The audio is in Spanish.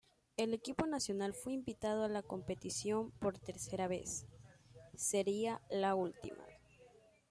El equipo nacional fue invitado a la competición por tercera vez; sería la última.